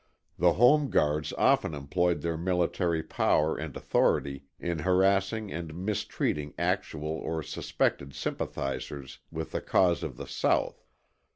The Home Guards often employed their military power and authority in harassing and mistreating actual or suspected sympathizers with the cause of the South.